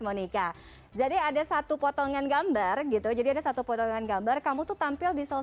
monika jadi ada satu potongan gambar gitu jadi ada satu potongan gambar kamu tuh tampil di salah